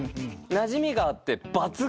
なじみがあって。